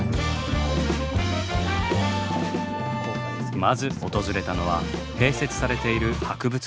まず訪れたのは併設されている博物館。